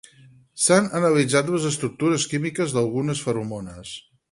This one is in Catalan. S'han analitzat les estructures químiques d'algunes feromones.